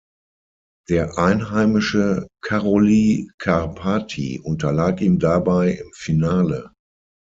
Der einheimische Károly Kárpáti unterlag ihm dabei im Finale.